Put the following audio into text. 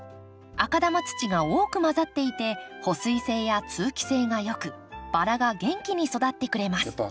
赤玉土が多く混ざっていて保水性や通気性が良くバラが元気に育ってくれます